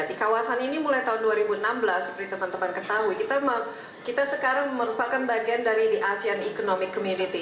di kawasan ini mulai tahun dua ribu enam belas seperti teman teman ketahui kita sekarang merupakan bagian dari the asean economic community